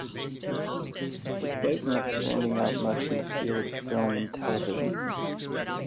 Despite not standing out much in the field of film and television.